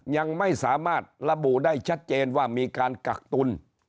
ยังไม่สามารถระบุได้ชัดเจนว่ามีการกักตุล